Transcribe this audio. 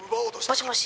「もしもし」